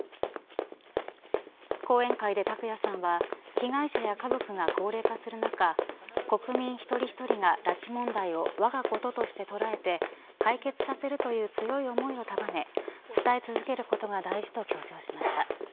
講演会で、拓也さんは被害者や家族が高齢化する中国民一人一人が拉致問題をわが子として捉えて解決させるという強い思いを束ね伝え続けることが大事と強調しました。